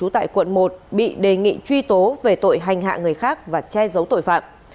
tại quận một bị đề nghị truy tố về tội hành hạ người khác và che giấu tội phạm